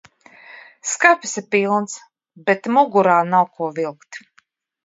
Skapis ir pilns, bet mugurā nav, ko vilkt.